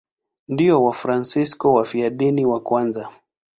Ndio Wafransisko wafiadini wa kwanza.